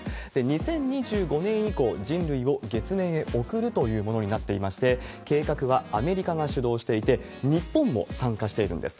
２０２５年以降、人類を月面へ送るというものになっていまして、計画はアメリカが主導していて、日本も参加しているんです。